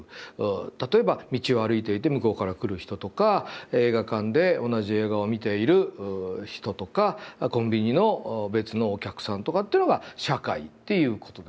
例えば道を歩いていて向こうから来る人とか映画館で同じ映画を見ている人とかコンビニの別のお客さんとかっていうのが「社会」っていうことですね。